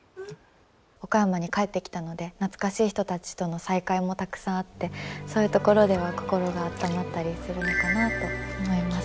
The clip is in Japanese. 岡山に帰ってきたので懐かしい人たちとの再会もたくさんあってそういうところでは心が温まったりするのかなと思います。